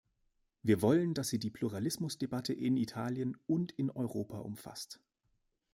Wir wollen, dass sie die Pluralismusdebatte in Italien und in Europa umfasst.